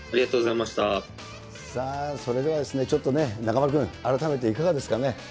さあ、それではちょっとね、中丸君、改めていかがですかね。